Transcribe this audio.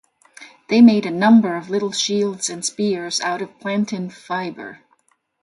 They made a number of little shields and spears out of plantain fibre.